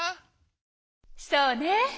そうね！